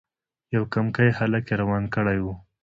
یو کمکی هلک یې روان کړی وو.